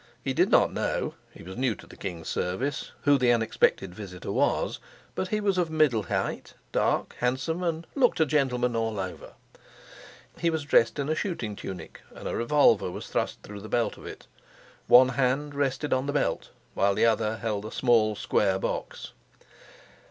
He did not know (he was new to the king's service) who the unexpected visitor was, but he was of middle height, dark, handsome, and "looked a gentleman all over." He was dressed in a shooting tunic, and a revolver was thrust through the belt of it. One hand rested on the belt, while the other held a small square box.